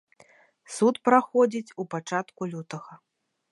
Суд праходзіць у пачатку лютага.